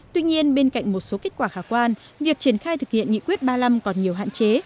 tuy nhiên bên cạnh một số kết quả khả quan việc triển khai thực hiện nghị quyết ba mươi năm còn nhiều hạn chế